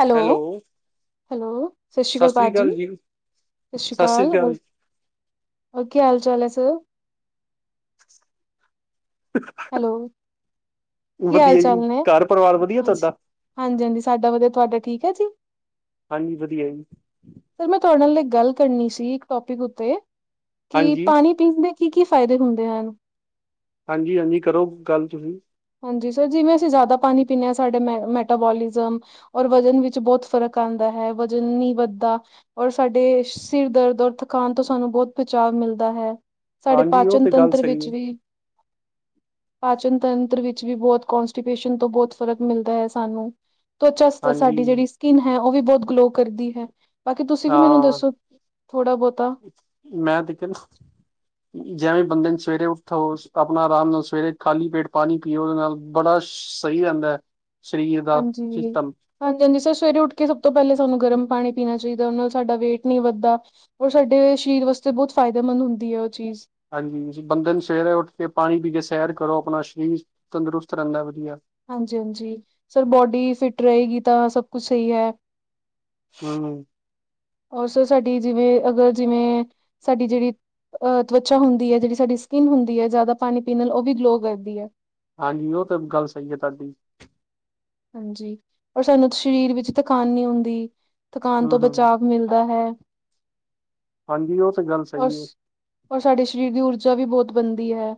Hello, hello ਸਤਿ ਸ਼੍ਰੀ ਅਕਾਲ ਭਾਜੀ ਸਤਿ ਸ਼੍ਰੀ ਸਤਿ ਸ੍ਰੀ ਅਕਾਲ ਹੋਰ, ਹੋਰ ਕੀ ਹਾਲ ਚਾਲ ਹੈ ਸਰ ਹੈਲੋ, ਕੀ ਹਾਲ ਵਧੀਆ ਜੀ, ਚਾਲ ਨੇ ਘਰ ਪਰਿਵਾਰ ਵਧੀਆ ਹਾਂਜੀ ਤੁਹਾਡਾ? -ਹਾਂਜੀ ਸਾਡਾ ਵਦੀਆ, ਤੁਹਾਡਾ ਠੀਕ ਏ ਜੀ ਹਾਂਜੀ ਵਧੀਆ ਜੀ ਸਰ ਮੈਂ ਤੁਹਾਡੇ ਨਾਲ ਇਕ ਗੱਲ ਕਰਨੀ ਸੀ ਇੱਕ ਟੋਪਿਕ ਉੱਤੇ ਕਿ ਹਾਂਜੀ। ਪਾਣੀ ਪੀਣ ਦੇ ਕੀ-ਕੀ ਫਾਇਦੇ ਹੁੰਦੇ ਹਨ? ਹਾਂਜੀ-ਹਾਂਜੀ ਕਰੋ ਗੱਲ ਤੁਹੀ ਹਾਂਜੀ ਸਰ, ਜਿਵੇਂ ਅਸੀਂ ਜ਼ਿਆਦਾ ਪਾਣੀ ਪੀਂਣੇ ਆਂ ਸਾਡੇ ਮ ਮੈਟਾਬੋਲਿਜ਼ਮ ਔਰ ਵਜ਼ਨ ਵਿੱਚ ਬਹੁਤ ਫ਼ਰਕ ਆਂਦਾ ਹੈ, ਵਜ਼ਨ ਨੀਂ ਵੱਧਦਾ। ਔਰ ਸਾਡੇ ਸਿਰ ਦਰਦ ਔਰ ਥਕਾਨ ਤੋਂ ਸਾਨੂੰ ਬਹੁਤ ਬਚਾਵ ਮਿਲਦਾ ਹੈ। ਸਾਡੇ ਹਾਂਜੀ ਉਹ ਪਾਚਨ ਤੇ ਗੱਲ ਤੰਤਰ ਸਹੀ ਵਿੱਚ ਹੈ, ਵੀ, ਪਾਚਨ ਤੰਤ ਵਿੱਚ ਵੀ ਬਹੁਤ ਕੋਂਸਟੀਪੇਸ਼ਨ ਤੋਂ ਬੋਤ ਫ਼ਰਕ ਮਿਲਦਾ ਐ ਸਾਨੂੰ ਤਵਚਾ ਸ ਹਾਂਜੀ, ਸਾਡੀ ਜੇੜੀ ਸਕਿੰਨ ਹੈ ਉਹ ਵੀ ਬਹੁਤ ਗਲੋ ਕਰਦੀ ਹੈ, ਬਾਕੀ ਤੁਸੀਂ ਵੀ ਮੈਨੂੰ ਹਾਂ। ਦੱਸੋ ਥੋੜ੍ਹਾ ਬੋਤਾ ਮੈਂ ਤੇ ਕਿ ਜਿਵੇਂ ਬੰਦੇ ਨੇ ਸਵੇਰੇ ਉੱਠੋ ਆਪਣਾ ਰਾਮ ਨਾਲ ਸਵੇਰੇ ਖਾਲੀ ਪੇਟ ਪਾਣੀ ਪੀਓ ਓਦੇ ਨਾਲ ਬੜਾ ਸ਼ ਸਈ ਰੈਂਦਾ। ਹਾਂਜੀ। ਹਾਂਜੀ, ਹਾਂਜੀ ਸਰ ਸਵੇਰੇ ਉੱਠ ਕੇ ਸਭ ਤੋਂ ਪੈਲੇ ਸਾਨੂੰ ਗਰਮ ਪਾਣੀ ਪੀਣਾ ਚਾਈਦਾ ਓਨਾਂ ਨਾ ਸਾਡਾ ਵੇਟ ਨਈਂ ਵਧਦਾ। ਔਰ ਸਾਡੇ ਸਰੀਰ ਵਾਸਤੇ ਬੋਤ ਫਾਇਦੇਮੰਦ ਹੁੰਦੀ ਐ ਓ ਚੀਜ਼। ਹਾਂਜੀ ਜੀ ਬੰਦੇ ਨੂੰ ਸਵੇਰੇ ਉੱਠ ਕੇ ਪਾਣੀ ਪੀ ਕੇ ਸੈਰ ਕਰੋ ਆਪਣਾ, ਸਰੀਰ ਤੰਦਰੁਸਤ ਰੈਂਦਾ ਵਧੀਆ। ਹਾਂਜੀ ਹਾਂਜੀ, ਸਰ ਬੋਡੀ ਫਿਟ ਰਏਗੀ ਤਾਂ ਸਭ ਕੁਛ ਸਈ ਐ। ਹਣ ਔਰ ਸਰ ਸਾਡੀ ਜਿਵੇਂ, ਅਗਰ ਜਿਵੇਂ ਸਾਡੀ ਜੇੜੀ ਅਹ ਤਵਚਾ ਹੁੰਦੀ ਐ ਜੇੜੀ ਸਾਡੀ ਸਕਿੰਨ ਹੁੰਦੀ ਐ, ਜ਼ਿਆਦਾ ਪਾਣੀ ਪੀਣ ਨਾਲ ਉਹ ਵੀ ਗਲੋ ਕਰਦੀ ਐ। ਹਾਂਜੀ ਉਹ ਕਿਉਂ ਗੱਲ ਸੁਣਨਗੇ ਤਾਡੀ। ਹਾਂਜੀ ਪਰ ਸਾਨੂੰ ਸਰੀਰ ਵਿੱਚ ਥਕਾਨ ਨ੍ਹੀਂ ਹੁੰਦੀ, ਥਕਾਨ ਹੂੰ, ਤੋਂ ਹੂੰ। ਬਚਾਅ ਮਿਲਦਾ ਹੈ। ਹਾਂਜੀ ਓ ਤੇ ਗੱਲ ਔਰ ਸਈ ਏ। ਔਰ ਸਾਡੇ ਸਰੀਰ ਦੀ ਊਰਜਾ ਵੀ ਬੋਤ ਬਣਦੀ ਐ।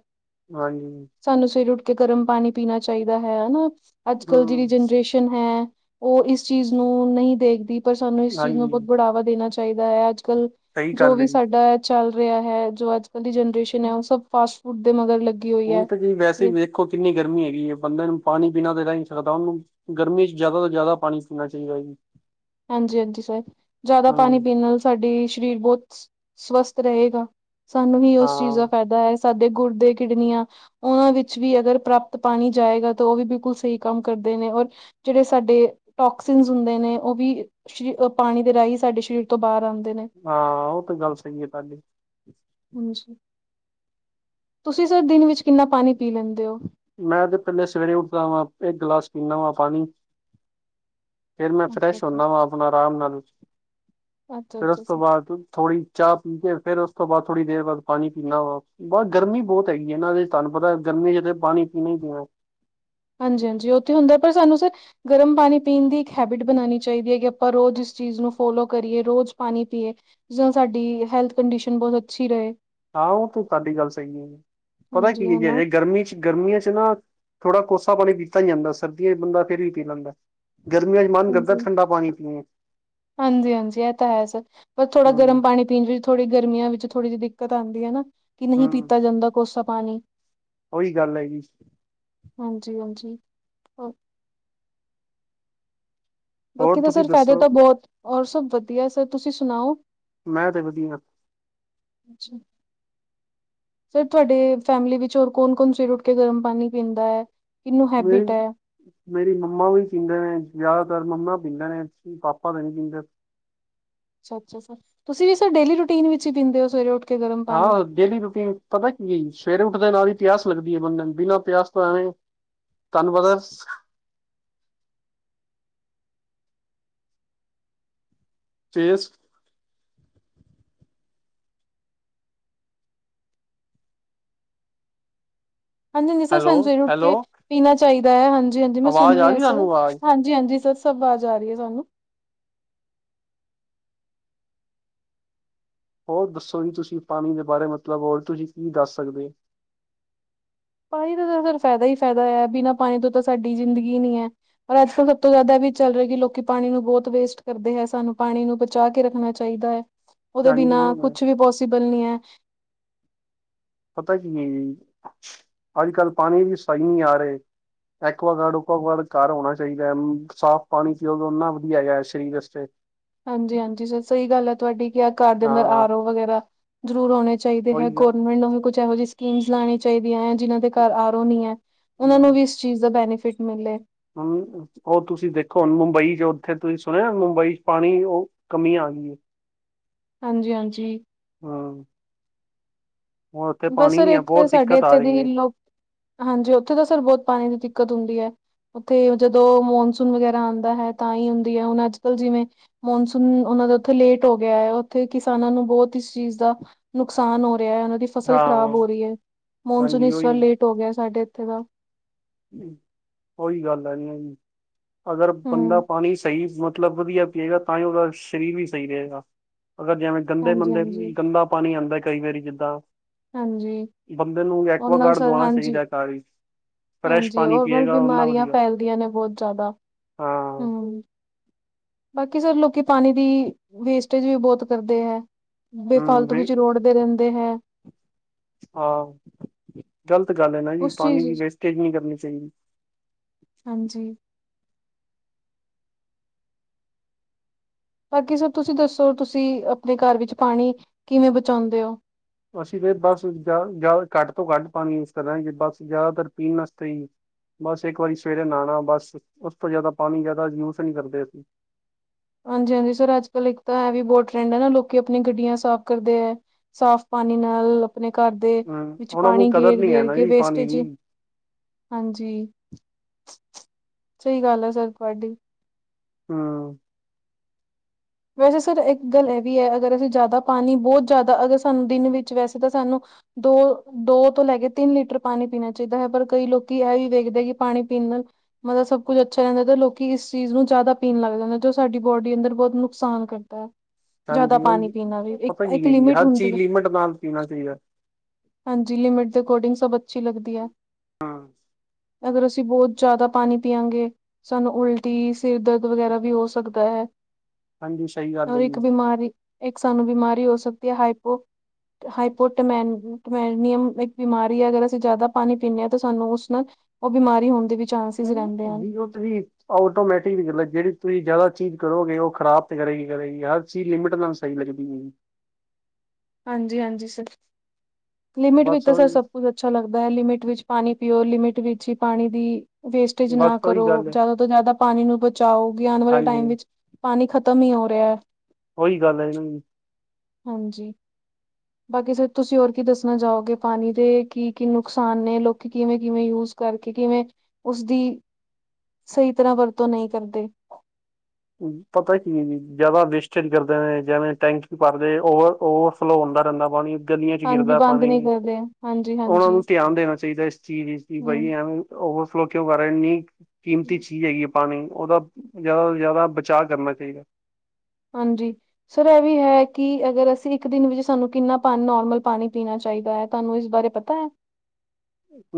ਹਾਂਜੀ। ਸਾਨੂੰ ਸਵੇਰੇ ਉੱਠ ਕੇ ਗਰਮ ਪਾਣੀ ਪੀਣਾ ਚਾਈਦਾ ਹੈ, ਹਨਾਂ। ਅੱਜ-ਕਲ ਜੇੜੀ ਹਮ ਜਨਰੇਸ਼ ਨ ਹੈ ਉਹ ਇਸ ਚੀਜ਼ ਨੂੰ ਨਹੀਂ ਦੇਖਦੀ ਪਰ ਸਾਨੂੰ ਇਸ ਚੀਜ਼ ਨੂੰ ਬਤ ਹਾਂਜੀ ਬੜਾਵਾ ਦੇਣਾ ਚਾਈ ਚਾਈਦਾ ਐ ਅੱਜ-ਕਲ ਸਹੀ ਜੋ ਗੱਲ ਹੈ ਵੀ ਜੀ ਸਾਡਾ ਚੱਲ ਰਿਹਾ ਹੈ, ਜੋ ਅੱਜ-ਕਲ ਦੀ ਜਨਰੇਸ਼ਨ ਹੈ ਉਹ ਸਭ ਫਾਸਟ ਫੂਡ ਦੇ ਮਗਰ ਲੱਗ ਹੁਣ ਤਾਂ ਜੀ ਵੈਸੇ ਵੀ ਵੇਖੋ ਕਿੰਨੀ ਗਰਮੀ ਹੈਗੀ ਏ, ਬੰਦੇ ਨੂੰ ਪਾਣੀ ਬਿਨਾਂ ਤੇ ਰੈ ਈ ਨੀ ਸਕਦਾ। ਓਨੂੰ ਗਰਮੀ ਚ ਜ਼ਿਆਦਾ ਤੋਂ ਜ਼ਿਆਦਾ ਪਾਣੀ ਪੀਣਾ ਚਾਈਦਾ ਜੀ। ਹਾਂਜੀ-ਹਾਂਜੀ ਸਰ, ਜ਼ਿਆਦਾ ਪਾਣੀ ਹਮ ਪੀਣ ਨਾਲ ਸਾਡੀ ਸ਼ਰੀਰ ਬਹੁਤ ਸ ਸਵਸਥ ਰਹੇਗਾ। ਸਾਨੂੰ ਵੀ ਉਸ ਚੀਜ਼ ਹਾਂ ਦਾ ਫੈਦਾ ਹੈ ਸਾਡੇ ਗੁਰਦੇ, ਕਿਡਨੀਆਂ ਓਨਾਂ ਵਿੱਚ ਵੀ ਅਗਰ ਪ੍ਰਾਪਤ ਪਾਣੀ ਜਾਏਗਾ ਤਾਂ ਓ ਵੀ ਬਿਲਕੁਲ ਸਈ ਕੰਮ ਕਰਦੇ ਨੇ ਔਰ ਜੇੜੇ ਸਾਡੇ ਟੋਕਸਿਨਸ ਹੁੰਦੇ ਨੇ ਓ ਵੀ ਸ਼ਰੀ ਪਾਣੀ ਦੇ ਰਾਹੀਂ ਸਾਡੇ ਸਰੀਰ ਤੋਂ ਬਾਹਰ ਆਂਦੇ ਨੇ। ਹਾਂ, ਓ ਤੇ ਗੱਲ ਸਈ ਐ ਤਾਡੀ। ਹਾਂਜੀ, ਤੁਸੀਂ ਸਰ ਦਿਨ ਵਿੱਚ ਕਿੰਨਾ ਪਾਣੀ ਪੀ ਲੈਂਦੇ ਓ? ਮੈਂ ਤੇ ਪੇਲੇ ਸਵੇਰੇ ਉੱਠਦਾ ਵਾਂ ਇੱਕ ਗਿਲਾਸ ਪੀਂਣਾਂ ਵਾਂ ਪਾਣੀ। ਫਿਰ ਮੈਂ ਫਰੈਸ਼ ਅੱਛਾ-ਅੱਛਾ, ਹੁੰਣਾ ਵਾਂ ਆਪਣਾ ਰਾਮ ਨਾਲ, ਫਿਰ ਉਸ ਅੱਛਾ-ਅੱਛਾ ਸਰ ਤੋਂ ਬਾਅਦ ਥੋੜ੍ਹੀ ਚਾਹ ਪੀ ਕੇ ਫੇਰ ਉਸ ਤੋਂ ਬਾਅਦ ਥੋੜੀ ਦੇਰ ਬਾਅਦ ਪਾਣੀ ਪੀਣਾ ਵਾ। ਬਸ ਗਰਮੀ ਬੋਤ ਹੈਗੀ ਐ ਨਾਲੇ ਤਾਨੂੰ ਪਤਾ ਗਰਮੀ ਚ ਤੇ ਪਾਣੀ ਪੀਣਾ ਈ ਪੀਣਾ। ਹਾਂਜੀ ਹਾਂਜੀ ਓ ਤੇ ਹੁੰਦਾ, ਪਰ ਸਾਨੂੰ ਸਰ ਗਰਮ ਪਾਣੀ ਪੀਣ ਦੀ ਇੱਕ ਹੈਬਿਟ ਬਣਾਣੀ ਚਾਈਦੀ ਐ ਕਿ ਆਪਾਂ ਰੋਜ਼ ਇਸ ਚੀਜ਼ ਨੂੰ ਫੋਲੋ ਕਰੀਏ, ਰੋਜ਼ ਪਾਣੀ ਪੀਏ। ਜੋ ਸਾਡੀ ਹੈਲਥ ਕੰਡੀਸ਼ਨ ਬਹੁਤ ਅੱਛੀ ਰਏ। ਆਓ ਤਾ ਸਾਡੀ ਗੱਲ ਸਈ ਐ, ਪਤਾ ਹਾਂਜੀ ਕੀ ਹਨਾ। ਐ ਗਰਮੀ ਗਰਮੀਆਂ ਚ ਨਾ, ਥੋੜਾ ਕੋਸਾ ਪਾਣੀ ਪੀਤਾ ਨੀ ਜਾਂਦਾ ਸਰਦੀਆਂ ਚ ਬੰਦਾ ਫੇਰ ਵੀ ਪੀ ਲੈਂਦਾ। ਗਰਮੀਆਂ ਚ ਮਨ ਕਰਦਾ ਠੰਡਾ ਪਾਣੀ ਪੀਣ ਹਾਂਜੀ ਹਾਂਜੀ ਇਹ ਤਾਂ ਹੈ, ਸਰ ਬਸ ਥੋੜਾ ਹਮ ਗਰਮ ਪਾਣੀ। ਪੀਣ ਥੋੜ੍ਹੀ ਗਰਮੀਆਂ ਵਿੱਚ ਥੋੜ੍ਹੀ ਜਿਹੀ ਦਿੱਕਤ ਆਂਦੀ ਐ ਨਾ ਕਿ ਨਹੀਂ ਪੀਤਾ ਜਾਂਦਾ ਕੋਸਾ ਪਾਣੀ। ਉਈ ਗੱਲ ਐ ਜੀ। ਹਾਂਜੀ ਹਾਂਜੀ, ਬਾਕੀ ਹੋਰ ਤਾਂ ਤੁਸੀਂ ਸਰ ਫ਼ਾਇਦੇ ਦੱਸੋ ਤਾਂ ਬੋਤ, ਔਰ ਸਭ ਵਧੀਆ ਸਰ ਤੁਸੀਂ ਸੁਣਾਓ? ਮੈਂ ਤੇ ਵਧੀਆ, ਅੱਛਾ, ਸਰ ਤੁਹਾਡੇ ਫੈਮਿਲੀ ਵਿੱਚ ਹੋਰ ਕੌਣ ਕੌਣ ਸਵੇਰ ਉੱਠ ਕੇ ਗਰਮ ਪਾਣੀ ਪੀਂਦਾ ਐ? [inaudible] ਮੇਰੀ ਮੰਮਾ ਵੀ ਪੀਂਦੇ ਨੇ ਜ਼ਿਆਦਾਤਰ ਮੰਮਾ ਪੀਂਦੇ ਨੇ ਪਾਪਾ ਤਾਂ ਨੀ ਪੀਂਦੇ। ਅੱਛਾ ਅੱਛਾ, ਤੁਸੀਂ ਸਰ ਵੀ ਡੇਲੀ ਰੂਟੀਨ ਵਿੱਚ ਈ ਪੀਦੇ ਔ ਸਵੇਰੇ ਉੱਠ ਕੇ ਗਰਮ ਪਾਣੀ ਹਾਂ ਡੇਲੀ ਰੂਟੀਨ ਪਤਾ ਕੀ ਸਵੇਰੇ ਉੱਠਦੇ ਨਾਲ ਦੀ ਪਿਆਸ ਲੱਗਦੀ ਐ ਬੰਦੇ ਨੂੰ ਬਿਨਾਂ ਪਿਆਸ ਤਾਂ ਐਵੇਂ ਤੁਹਨੂੰ ਪਤਾ ਸ ਟੇਸਟ ਹਾਂਜੀ-ਹਾਂਜੀ ਸਰ ਹੈਲੋ ਸਾਨੂੰ ਸਵੇਰ ਉੱਠ ਹੈਲੋ ਕੇ ਪੀਣਾ ਚਾਹੀਦਾ ਐ ਹਾਂਜੀ ਹਾਂਜੀ ਮੈਂ ਸੁਣ ਆਵਾਜ਼ ਰੀ ਆ ਰਹੀ ਸਰ ਤੁਹਾਨੂੰ ਆਵਾਜ਼ ਹਾਂਜੀ ਹਾਂਜੀ ਸਰ ਸਭ ਵਾਜ਼ ਆ ਰੀ ਐ ਸਾਨੂੰ ਹੋਰ ਦੱਸੋ ਜੀ ਤੁਸੀਂ ਪਾਣੀ ਦੇ ਬਾਰੇ ਮਤਲਬ ਹੋਰ ਤੁਸੀਂ ਕੀ ਦੱਸ ਸਕਦੇ ਔ? ਪਾਣੀ ਦਾ ਤਾਂ ਸਾਨੂੰ ਫਾਇਦਾ ਈ ਫਾਇਦਾ ਐ ਬਿਨਾਂ ਪਾਣੀ ਤੋਂ ਤਾਂ ਸਾਡੀ ਜ਼ਿੰਦਗੀ ਨੀ ਐ। ਪਰ ਅੱਜ ਕੱਲ੍ਹ ਸਭ ਤੋਂ ਜ਼ਿਆਦਾ ਵੀ ਚੱਲ ਰਹੇ ਕਿ ਲੋਕੀ ਪਾਣੀ ਨੂੰ ਬਹੁਤ ਵੇਸਟ ਕਰਦੇ ਐ ਸਾਨੂੰ ਪਾਣੀ ਨੂੰ ਬਚਾ ਕੇ ਰੱਖਣਾ ਚਾਹੀਦਾ ਐ। ਉਹਦੇ ਪਾਣੀ ਕੀ ਬਿਨਾਂ ਹੋ ਗਿਆ ਕੁਛ ਵੀ ਪੋਸੀਬਲ ਨੀ ਐ। ਪਤਾ ਕੀ ਐ ਜੀ, ਅੱਜ-ਕੱਲ ਪਾਣੀ ਵੀ ਸਹੀ ਨੀ ਆ ਰੇ। ਐਕੁਆਗਾਰਡ ਓਕੁਆਗਾਰਡ ਘਰ ਹੋਣਾ ਚਾਹੀਦਾ ਸਾਫ਼ ਪਾਣੀ ਪੀਓ ਓੰਨਾ ਵਧੀਆ ਹੈਗਾ ਸਰੀਰ ਵਾਸਤੇ ਹਾਂਜੀ ਹਾਂਜੀ ਸਰ ਸਹੀ ਗੱਲ ਐ ਤੁਹਾਡੀ ਕਿ ਆ ਘਰ ਦੇ ਅੰਦਰ ਹਾਂ ਆਰੋ ਵਗੈਰਾ ਜ਼ਰੂਰ ਆਉਣੇ ਚਾਹੀਦੇ ਐ ਉਹੀ ਗ ਗੌਰਰਮੈਂਟ ਨੂੰ ਵੀ ਕੁੱਝ ਇਹੋ ਜਿਹੀ ਸਕੀਮਜ਼ ਲੈਣੀ ਚਾਹੀਦੀਆਂ ਐ ਜਿਨ੍ਹਾਂ ਦੇ ਘਰ ਆਰੋ ਨੀ ਐ, ਉਹਨਾਂ ਨੂੰ ਵੀ ਇਸ ਚੀਜ਼ ਦਾ ਬੈਨੀਫਿਟ ਮਿਲੇ। ਹਾਂ, ਉਹ ਤੁਸੀਂ ਦੇਖੋ ਹੁਣ ਮੁੰਬਈ ਚ ਉੱਥੇ ਤੁਸੀਂ ਸੁਣਿਆ ਮੁੰਬਈ ਚ ਪਾਣੀ ਉਹ ਕਮੀ ਆ ਗਈਆ। ਹਾਂਜੀ-ਹਾਂਜੀ, ਹਾਂ, ਬਸ ਸਰ ਇੱਕ ਤਾਂ ਸਾਡੇ ਇੱਥੇ ਦੀ ਈ ਹੈ ਹਾਂਜੀ ਉੱਥੇ ਤਾਂ ਸਰ ਬੋਤ ਪਾਣੀ ਦੀ ਦਿੱਕਤ ਹੁੰਦੀ ਐ। ਉੱਥੇ ਜਦੋਂ ਮੌਨਸੂਨ ਵਗੈਰਾ ਆਦਾ ਹੈ ਤਾਂ ਈ ਹੁੰਦੀ ਐ ਹੁਣ ਅੱਜ ਕੱਲ੍ਹ ਜਿਵੇਂ ਮੌਨਸੂਨ ਉਹਨਾਂ ਦਾ ਉੱਥੇ ਲੇਟ ਹੋ ਗਿਆ ਐ ਉੱਥੇ ਕਿਸਾਨਾਂ ਨੂੰ ਬੋਤ ਇਸ ਚੀਜ਼ ਦਾ, ਨੁਕਸਾਨ ਹੋ ਰਿਆ ਉਹਨਾਂ ਦੀ ਫਸਲ ਖ਼ਰਾਬ ਹਾਂ ਹੋ ਰੀ ਐ ਮੌਨਸੂਨ ਹਾਂਜੀ ਇਸ ਉਹੀ ਵਾਰ ਲੇਟ ਹੋ ਗਿਆ ਸਾਡੇ ਇੱਥੇ ਦਾ ਉਹੀ ਗੱਲ ਐ ਨੀ ਅਗਰ ਬੰਦਾ ਹੂੰ, ਪਾਣੀ ਸਹੀ ਮਤ ਮਤਲਬ ਵਧੀਆ ਪੀਏਗਾ ਤਾਂਈ ਉਹਦਾ ਸਰੀਰ ਵੀ ਸਹੀ ਰਹੇਗਾ ਅਗਰ ਜਿਵੇਂ ਗੰਦੇ ਮੰੰਦੇ ਹਾਂਜੀ-ਹਾਂਜੀ, ਗੰਦਾ ਪਾਣੀ ਆਦਾ ਕਈ ਵਾਰੀ ਜਿੱਦਾਂ, ਹਾਂਜੀ ਬੰਦੇ ਨੂੰ ਉਹਦੇ ਨਾਲ ਐਕੁਆਗਾਰਡ ਸਰ ਲਵਾਣਾ ਹਾਂਜੀ, ਚਾਹੀਦਾ ਤਾ ਵੀ ਹਾਂਜੀ ਔਦੋ ਬਿਮਾਰੀਆਂ ਵਧੀਆ ਫੈਲਦੀਆਂ ਨੇ ਬਹੁਤ ਜ਼ਿਆਦਾ ਹਾਂ ਬਾਕੀ ਸਰ ਲੋਕੀ ਪਾਣੀ ਦੀ ਵੇਸਟੇਜ ਵੀ ਬਹੁਤ ਕਰਦੇ ਐ ਹਮ ਬੇਫਾਲਤੂ ਵੀ ਵਿੱਚ ਰੋਡ [inaudible] ਹਾਂ, ਗ਼ਲਤ ਗੱਲ ਐ ਨਾ ਜੀ ਉਸ ਪਾਣੀ ਚੀਜ਼ ਦੀ ਵੇਸਟੇਜ ਨੀ ਕਰਨੀ ਚਾਹੀਦੀ। ਹਾਂਜੀ। ਬਾਕੀ ਸਰ ਤੁਸੀਂ ਦੱਸੋ, ਤੁਸੀਂ ਆਪਣੇ ਘਰ ਵਿੱਚ ਪਾਣੀ ਕਿਵੇਂ ਬਚਾਉਂਦੇ ਹੋ? ਅਸੀਂ ਤੇ ਬਸ ਘੱਟ ਤੋਂ ਘੱਟ ਪਾਣੀ ਯੂਜ ਕਰਾਂਗੇ, ਬਸ ਜ਼ਿਆਦਾਤਰ ਪੀਣ ਵਾਸਤੇ ਹੀ ਬਸ ਇੱਕ ਵਾਰੀ ਸਵੇਰੇ ਨਹਾਉਣਾ ਬਸ, ਉਸ ਤੋਂ ਜ਼ਿਆਦਾ ਪਾਣੀ ਜ਼ਿਆਦਾ ਯੂਜ ਨਹੀਂ ਕਰਦੇ ਅਸੀਂ। ਹਾਂਜੀ ਹਾਂਜੀ, ਸਰ ਅੱਜ ਕਲ ਇੱਕ ਤਾਂ ਇਹ ਵੀ ਬਹੁਤ ਟਰੈਂਡ ਹੈ ਨਾ, ਲੋਕੀ ਆਪਣੀ ਗੱਡੀਆਂ ਸਾਫ਼ ਕਰਦੇ ਹੈ। ਸਾਫ਼ ਪਾਣੀ ਨਾਲ ਆਪਣੇ ਘਰ ਦੇ, ਹਮ ਵਿੱਚ ਉਹਨਾਂ ਨੂੰ ਪਾਣੀ ਕਦਰ ਨੀ ਹੈ ਗੇਰ-ਗੇਰ ਨਾ ਕੇ ਜੀ ਪਾਣੀ ਵੇਸਟੇਜ ਦੀ ਹਾਂਜੀ, ਸਹੀ ਗੱਲ ਹੈ, ਸਰ ਤੁਹਾਡੀ ਹਮ। ਵੈਸੇ ਸਰ ਇੱਕ ਗੱਲ ਇਹ ਵੀ ਹੈ, ਅਗਰ ਅਸੀਂ ਜ਼ਿਆਦਾ ਪਾਣੀ ਬਹੁਤ ਜ਼ਿਆਦਾ, ਅਗਰ ਸਾਨੂੰ ਦਿਨ ਵਿੱਚ ਵੈਸੇ ਤਾਂ ਸਾਨੂੰ ਦੋ, ਦੋ ਤੋਂ ਲੈ ਕੇ ਤਿੰਨ ਲੀਟਰ ਪਾਣੀ ਪੀਣਾ ਚਾਹੀਦਾ ਹੈ, ਪਰ ਕਈ ਲੋਕੀ ਇਹ ਵੀ ਵੇਖਦੇ, ਕਿ ਪਾਣੀ ਪੀਣ ਨਾਲ ਮਤਲਬ ਸਭ ਕੁੱਝ ਅੱਛਾ ਰਹਿੰਦਾ, ਤੇ ਲੋਕੀ ਇਸ ਚੀਜ਼ ਨੂੰ ਜ਼ਿਆਦਾ ਪੀਣ ਲੱਗਦਾਦੇ, ਜੋ ਸਾਡੀ ਬੋਡੀ ਅੰਦਰ ਬਹੁਤ ਨੁਕਸਾਨ ਕਰਦਾ ਹੈ। ਜਿਆਦਾ ਹਾਂਜੀ ਪਾਣੀ ਉਹੀ ਪੀਣਾ ਵੀ, ਪਤਾ ਇੱਕ- ਕੀ ਇੱਕ ਹੈ ਜੀ ਲਿਮਿਟ ਹਰ ਹੁੰਦੀ ਚੀਜ਼ ਹੈ। ਲਿਮਿਟ ਨਾਲ ਪੀਣਾ ਚਾਹੀਦਾ ਹਾਂਜੀ, ਲਿਮਿਟ ਦੇ ਅਕੋਰਡਿੰਗ ਸਭ ਅੱਛੀ ਲੱਗਦੀ ਹੈ। ਅਗਰ, ਅਸੀਂ ਬਹੁਤ ਜ਼ਿਆਦਾ ਪਾਣੀ ਪੀਆਂਗੇ ਸਾਨੂੰ ਉਲਟੀ, ਸਿਰ ਦਰਦ ਵਗੈਰਾ ਵੀ ਹੋ ਸਕਦਾ ਹੈ। ਹਾਂਜੀ, ਸਹੀ ਗੱ ਔਰ ਇੱਕ ਬਿਮਾਰੀ, ਇੱਕ ਸਾਨੂੰ ਬਿਮਾਰੀ ਹੋ ਸਕਦੀ ਹੈ, ਹਾਈਪੋ ਹਾਈਪੋਟਮਮੈਨੀਅਮ ਇੱਕ ਬਿਮਾਰੀ ਹੈ, ਅਗਰ ਅਸੀਂ ਜ਼ਿਆਦਾ ਪਾਣੀ ਪੀਂਦੇ ਹਾਂ ਤਾਂ ਸਾਨੂੰ ਉਸ ਨਾਲ ਉਹ ਬਿਮਾਰੀ ਹੋਣ ਦੀ ਵੀ ਚਾਂਸਿਸ ਯ, ਰਹਿੰਦੇ ਹਨ। ਦੀ ਗੋਟਰੀ ਆਟੋਮੈਟਿਕ ਦੀ ਗੱਲ ਏ, ਜਿਹੜੀ ਤੁਸੀਂ ਜ਼ਿਆਦਾ ਚੀਜ਼ ਕਰੋਗੇ, ਉਹ ਖਰਾਬ ਤੇ ਕਰੇਗੀ- ਕਰੇਗੀ, ਹਰ ਚੀਜ਼ ਲਿਮਿਟ ਨਾਲ ਸਹੀ ਲੱਗਦੀ ਹੈ ਜੀ। ਹਾਂਜੀ ਹਾਂਜੀ ਸਰ, ਲਿਮਿਟ ਵਿੱਚ ਬਸ ਤਾਂ ਸਰ ਉਹੀ ਸਭ ਕੁਤ ਅੱਛਾ ਲੱਗਦਾ ਹੈ, ਲਿਮਿਟ ਵਿੱਚ ਪਾਣੀ ਪੀਓ, ਲਿਮਿਟ ਵਿੱਚ ਹੀ ਪਾਣੀ ਦੀ ਵੇਸਟੇਜ ਨਾ ਬਸ ਉਹੀ ਕਰੋ, ਗੱਲ ਹੈ ਜ਼ਿਆਦਾ ਤੋਂ ਜ਼ਿਆਦਾ ਪਾਣੀ ਨੂੰ ਬਚਾਓ, ਆਉਣ ਵਾਲੇ ਟਾਈਮ ਹਾਂਜੀ ਵਿੱਚ ਪਾਣੀ ਖ਼ਤਮ ਹੀ ਹੋ ਰਿਹਾ ਹੈ। ਉਹੀ ਗੱਲ ਐ ਜੀ। ਹਾਂਜੀ। ਬਾਕੀ ਸਰ ਤੁਸੀਂ ਹੋਰ ਕੀ ਦੱਸਣਾ ਚਾਹੋਗੇ, ਪਾਣੀ ਦੇ ਕੀ ਕੀ ਨੁਕਸਾਨ ਨੇ, ਲੋਕੀ ਕਿਵੇਂ- ਕਿਵੇਂ ਯੂਜ ਕਰਕੇ, ਕਿਵੇਂ ਉਸਦੀ ਸਹੀ ਤਰ੍ਹਾਂ ਵਰਤੋਂ ਨਹੀਂ ਕਰਦੇ? ਪਤਾ ਕੀ, ਜਿਆਦਾ ਵੇਸਟੇਜ ਕਰਦੇ ਨੇ, ਜਿਵੇਂ ਟੈਂਕ ਭਰਦੇ ਓਵਰ ਫਲੋ ਹੁੰਦਾ ਰਹਿੰਦਾ ਪਾਣੀ ਗਲੀਆਂ 'ਚ ਹਾਂਜੀ ਗਿਰਦਾ ਬੰਦ ਨਹੀਂ ਪਾਣੀ, ਕਰਦੇ ਹਾਂਜੀ ਉਹਨਾਂ ਨੂੰ ਹਾਂਜੀ। ਧਿਆਨ ਦੇਣਾ ਚਾਹੀਦਾ, ਇਸ ਚੀਜ਼ ਦੀ ਬਾਈ ਹੂੰ, ਐਵੇ ਓਵਰਫਲੋ ਕਿਂ ਕਰ ਰਿਹਾ, ਇੰਨੀ ਕੀਮਤੀ ਚੀਜ਼ ਹੈਗੀ ਆ ਪਾਣੀ, ਉਹਦਾ ਜ਼ਿਆਦਾ ਤੋਂ ਜ਼ਿਆਦਾ ਬਚਾਅ ਕਰਨਾ ਚਾਹੀਦਾ। ਹਾਂਜੀ। ਸਰ ਇਹ ਵੀ ਹੈ, ਕਿ ਅਗਰ ਅਸੀਂ ਇੱਕ ਦਿਨ ਵਿੱਚ ਸਾਨੂੰ, ਕਿੰਨਾ ਪਾਣੀ ਨੋਰਮਲ ਪਾਣੀ ਪੀਣਾ ਚਾਹੀਦਾ ਹੈ, ਤੁਹਾਨੂੰ ਇਸ ਬਾਰੇ ਪਤਾ ਹੈ?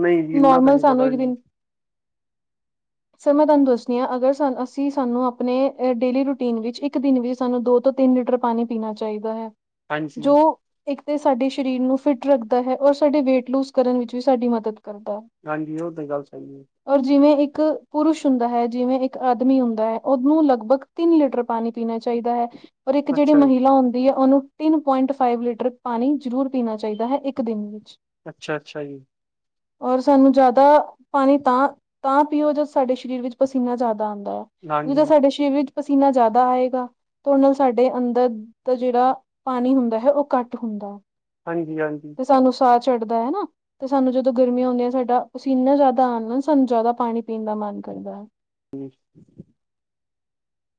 ਨਹੀਂ ਜੀ ਇੰਨਾ ਤਾਂ ਨੋਰਮਲ ਨਹੀਂ ਸਾਨੂੰ ਪਤਾ ਇੱਕ ਜੀ ਦਿਨ ਸਰ ਮੈਂ ਤੁਹਾਨੂੰ ਦੱਸਦੀ ਹਾਂ ਅਗਰ ਅਸੀਂ, ਸਾਨੂੰ ਆਪਣੇ ਡੇਲੀ ਰੂਟੀਨ ਵਿੱਚ ਇੱਕ ਇੱਕ ਦਿਨ ਵੀ, ਸਾਨੂੰ ਦੋ ਤੋਂ ਤਿੰਨ ਲੀਟਰ ਪਾਣੀ ਪੀਣਾ ਚਾਹੀਦਾ ਹੈ, ਹਾਂਜੀ ਜੋ ਇੱਕ ਤਾਂ ਸਾਡੇ ਸਰੀਰ ਨੂੰ ਫਿਟ ਰੱਖਦਾ ਹੈ, ਔਰ ਸਾਡੇ ਵੇਟ ਲੂਜ ਕਰਨ ਵਿੱਚ ਵੀ ਸਾਡੀ ਮਦਦ ਕਰਦਾ ਹੈ। ਹਾਂਜੀ, ਉਹ ਤਾਂ ਗੱਲ ਸਹੀ ਹੈ। ਔਰ ਜਿਵੇਂ ਇੱਕ ਪੁਰਸ਼ ਹੁੰਦਾ ਹੈ, ਜਿਵੇਂ ਇੱਕ ਆਦਮੀ ਹੁੰਦਾ ਹੈ, ਓਨੂੰ ਲਗਭਗ ਤਿੰਨ ਲੀਟਰ ਪਾਣੀ ਪੀਣਾ ਚਾਹੀਦਾ ਹੈ, ਔਰ ਇੱਕ ਜਿਹੜੀ ਅੱਛਾ ਜੀ ਮਹਿਲਾ ਹੁੰਦੀ ਹੈ, ਉਹਨੂੰ ਤਿੰਨ ਪੁਆਇੰਟ ਫਾਈਵ ਲੀਟਰ ਪਾਣੀ ਜ਼ਰੂਰ ਪੀਣਾ ਚਾਈਦਾ ਹੈ, ਇੱਕ ਦਿਨ ਵਿੱਚ ਅੱਛਾ ਅੱਛਾ, ਜੀ। ਔਰ ਸਾਨੂੰ ਜ਼ਿਆਦਾ ਪਾਣੀ ਤਾਂ ਤਾਂ ਪੀਓ ਜਦੋਂ ਸਾਡੇ ਸਰੀਰ ਵਿੱਚ ਪਸੀਨਾ ਜ਼ਿਆਦਾ ਆਉਂਦਾ ਹੈ, ਨਹੀਂ ਤੋਂ ਹਾਂਜੀ ਸਾਡੇ ਸਰੀਰ ਵਿੱਚ ਪਸੀਨਾ ਜ਼ਿਆਦਾ ਆਏਗਾ। ਓਨਾ ਸਾਡੇ ਅੰਦਰ ਦਾ ਜਿਹੜਾ ਪਾਣੀ ਹੁੰਦਾ ਹੈ, ਉਹ ਘੱਟ ਹੁੰਦਾ ਹੈ। ਹਾਂਜੀ ਹਾਂਜੀ। ਤੇ ਸਾਨੂੰ ਸਾਹ ਚੱੜਦਾ ਹੈਾ ਤੇ ਸਾਨੂੰ ਜਦੋਂ ਗਰਮੀਆਂ ਹੁੰਂਦੀਆਂ ਸਾਡਾ ਪਸੀਨਾ ਜ਼ਿਆਦਾ ਆਉਣ ਲ ਸਾਨੂੰ ਜ਼ਿਆਦਾ ਪਾਣੀ ਪੀਣ ਦਾ ਮਨ ਕਰਦਾ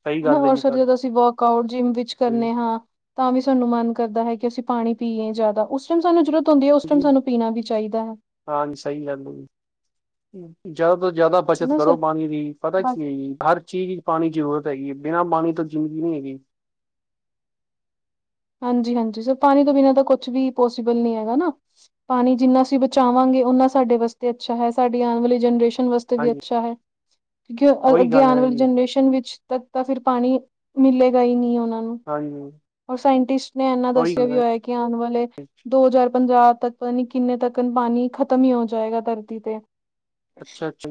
ਹਮ ਹਨਾ ਔਰ ਫ ਜਦੋਂ ਅਸੀਂ ਵਰਕ ਆਊਟ ਜਿੰਮ ਵਿੱਚ ਕਰਨੇ ਹਾਂ ਤਾਂ ਵੀ ਸਾਨੂੰ ਮਨ ਕਰਦਾ ਹੈ ਕਿ ਅਸੀਂ ਪਾਣੀ ਪੀਏ ਜ਼ਿਆਦਾ ਉਸ ਉਸ ਟੈਮ ਸਾਨੂੰ ਜਰੂਰਤ ਹੁੰਦੀ ਉਸ ਟੈਮ ਜੀ ਸਾਨੂੰ ਪੀਣਾ ਵੀ ਚਾਹੀਦਾ ਹੈ ਹਾਂਜੀ ਸਹੀ ਗੱਲ ਜਿਆਦਾ ਤੋਂ ਜਿਆਦਾ ਬਚਤ ਹਨਾ ਕਰੋ ਸਰ ਪਾਣੀ ਦੀ ਪਤਾ ਬਸ ਕੀ ਏ ਜੀ ਹਰ ਚੀਜ਼ ਚਪਾਣੀ ਦੀ ਜ਼ਰੂਰਤ ਹੈਗੀ ਹੈ ਬਿਨਾਂ ਪਾਣੀ ਤੋਂ ਜ਼ਿੰਦਗੀ ਨਹੀਂ ਹੈਗੀ ਹਾਂਜੀ ਹਾਂਜੀ ਸਰ ਪਾਣੀ ਤੋਂ ਬਿਨਾ ਤਾਂ ਕੁਛ ਵੀ ਪੋਸੀਬਲ ਨਹੀਂ ਹੈਗਾ ਨਾ ਪਾਣੀ ਜਿੰਨਾ ਅਸੀਂ ਬਚਾਵਾਂਗੇ ਉਹਨਾ ਸਾਡੇ ਵਾਸਤੇ ਅੱਛਾ ਹੈ ਸਾਡੀ ਆਉਣ ਵਾਲੀ ਜਨਰੇਸ਼ਨ ਵਾਸਤੇ ਵੀ ਹਾਂਜੀ ਅੱਛਾ ਹੈ ਕਿਉਂਕਿ ਉਹੀ ਅੱਗੇ ਗੱਲ ਆਣ ਹੈ ਵਾਲੀ ਜੀ ਜਨਰੇਸ਼ਨ ਵਿੱਚ ਤੱਦ ਤਾਂ ਫਿਰ ਪਾਣੀ ਮਿਲੇਗਾ ਹੀ ਨਹੀਂ ਉਹਨਾਂ ਨੂੰ ਹਾਂਜੀ ਔਰ ਸਾਇੰਟਿਸਟ ਨੇ ਇੰਨਾ ਉਹੀ ਦੱਸਿਆ ਗੱਲ ਵੀ ਹੈ ਹੋਇਆ ਕਿ ਆਉਣ ਵਾਲੇ ਦੋ ਹਜ਼ਾਰ ਪੰਜਾਹ ਤੱਕ ਪਤਾ ਨੀ ਕਿੰਨੇ ਤੱਕ ਪਾਣੀ ਖਤਮ ਹੀ ਹੋ ਜਾਏਗਾ ਧਰਤੀ ਤੇ ਅੱਛਾ ਅੱਛਾ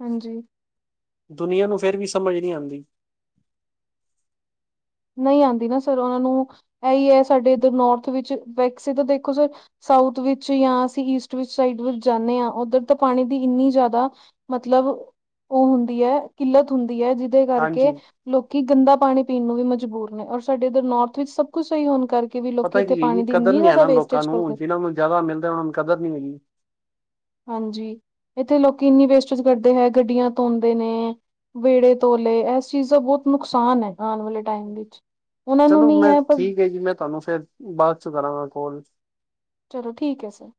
ਹਾਂਜੀ ਦੁਨੀਆਂ ਨੂੰਫੇਿਰ ਵੀ ਸਮਝ ਨੀ ਆਂਦੀ ਨਹੀਂ ਆਂਦੀ ਨਾ ਸਰ ਉਹਨਾਂ ਨੂੰ ਇਹੀ ਹੈ ਸਾਡੇ ਇੱਧਰ ਨੋੌਰਥ ਵਿੱਚ ਵੈਕਸੀ ਤਾਂ ਦੇਖੋ ਸਰ ਸਾਊਥ ਵਿੱਚ ਜਾਂ ਅਸੀਂ ਈਸਟ ਵਿੱਚ ਸਾਈਡ ਵਿੱਚ ਜਾਂਦੇ ਹਾਂ ਉੱਧਰ ਤਾਂ ਪਾਣੀ ਦੀ ਇੰਨੀ ਜ਼ਿਆਦਾ ਮਤਲਬ ਉਹ ਹੁੰਦੀ ਹੈ ਕਿੱਲਤ ਹੁੰਦੀ ਹੈ ਜਿ ਕਰਕੇ ਹਾਂਜੀ ਲੋਕੀ ਗੰਦਾ ਪਾਣੀ ਪੀਣ ਨੂੰ ਵੀ ਮਜਬੂਰ ਨੇ ਔਰ ਸਾਡੇ ਇੱਧਰ ਨੌਰਥ ਵਿੱਚ ਸਭ ਕੁਛ ਸਹੀ ਹੋਣ ਕਰਕੇ ਵੀ ਲੋਕੀ ਪਤਾ ਇੱਥੇ ਕੀ ਹੈ ਪਾਣੀ ਜੀ ਦੀ ਕਦਰ ਇੰਨੀ ਨੀ ਹੈ ਜ਼ਿਆਦਾ ਨਾ ਲੋਕਾਂ ਵੇਸਟੇਜ ਨੂੰ ਕਰਦੇ ਜਿਹਨਾਂ ਨੂੰ ਜ਼ਿਆਦਾ ਮਿਲਦਾ ਓਨੂੰ ਕਦਰ ਨੀ ਹੈਗੀ ਹਾਂਜੀ ਇੱਥੇ ਲੋਕੀ ਇੰਨੀ ਵੇਸਟਜ ਕਰਦੇ ਹੈ ਗੱਡੀਆਂ ਧੋਂਦੇ ਨੇ ਵਿਹੜੇ ਧੋਲੇ ਇਸ ਚੀਜ਼ ਦਾ ਬੋਤ ਨੁਕਸਾਨ ਹੈਗਾ ਆਣ ਵਾਲੇ ਟਾਈਮ ਵਿੱਚ ਉਹਨਾਂ ਨੂੰ ਚਲੋ ਨੀ ਮੈਂ ਪਰ ਠੀਕ ਹੈ ਜੀ ਮੈਂ ਤੁਹਾਨੂੰ ਫੇਰ ਬਾਅਦ ਚ ਕਰਾਂਗਾ ਕੋਲ ਚਲੋ ਠੀਕ ਹੈ ਸਰ